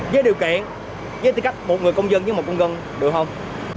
với điều kiện với tư cách một người công dân với một công dân được không